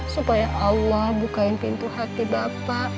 supaya allah bukain pintu hati bapak